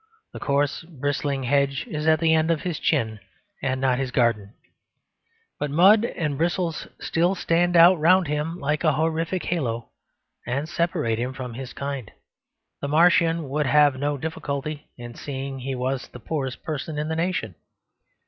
The coarse, bristling hedge is at the end of his chin, and not of his garden. But mud and bristles still stand out round him like a horrific halo, and separate him from his kind. The Martian would have no difficulty in seeing he was the poorest person in the nation.